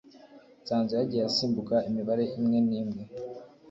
nasanze yagiye asimbuka imibare imwe n’imwe